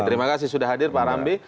terima kasih sudah hadir pak ramli